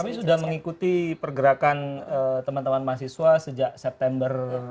kami sudah mengikuti pergerakan teman teman mahasiswa sejak september